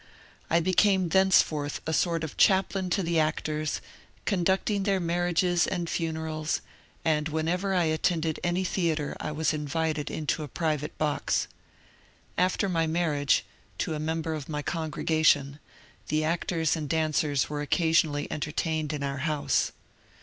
I became thenceforth a sort of chaplain to the actors, conducting their marriages and funerals, and whenever I attended any theatre I was invited into a private box. After my marriage, to a member of my congregation, the actors and dancers were occasionally entertained in our house.